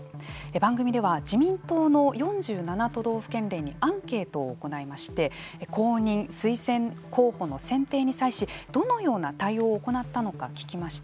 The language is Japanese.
番組では自民党の４７都道府県連にアンケートを行いまして公認・推薦候補の選定に際しどのような対応を行ったのか聞きました。